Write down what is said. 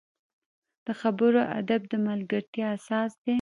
د خبرو ادب د ملګرتیا اساس دی